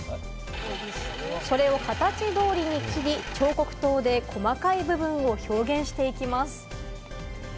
それを形通りに切り、彫刻刀で細かい部分を表現していきます。